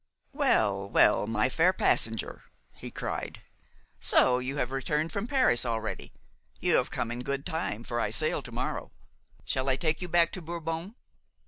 "Well, well, my fair passenger," he cried, "so you have returned from Paris already! You have come in good time, for I sail to morrow. Shall I take you back to Bourbon?"